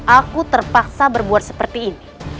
aku terpaksa berbuat seperti ini